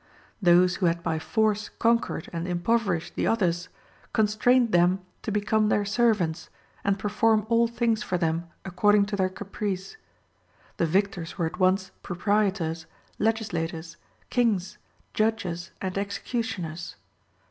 Those who had by force conquered and impoverished the others, constrained them to become their servants, and perform all things for them according to their caprice. The victors were at once proprietors, legislators, kings, judges, and executioners.